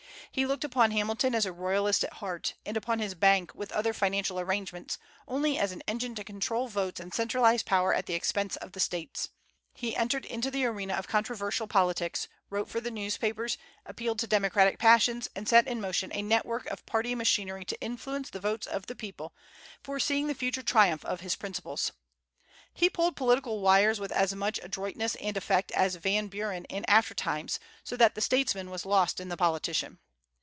He looked upon Hamilton as a royalist at heart, and upon his bank, with other financial arrangements, only as an engine to control votes and centralize power at the expense of the States. He entered into the arena of controversial politics, wrote for the newspapers, appealed to democratic passions, and set in motion a net work of party machinery to influence the votes of the people, foreseeing the future triumph of his principles. He pulled political wires with as much adroitness and effect as Van Buren in after times, so that the statesman was lost in the politician.